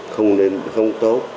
không nên không tốt